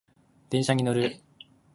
電車に乗る